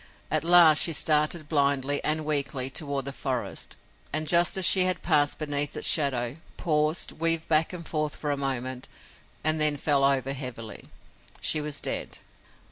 At last she started blindly and weakly toward the forest, and just as she had passed beneath its shadow, paused, weaved back and forth for a moment, and then fell over heavily. She was dead.